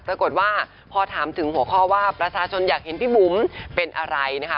ปรากฏว่าพอถามถึงหัวข้อว่าประชาชนอยากเห็นพี่บุ๋มเป็นอะไรนะคะ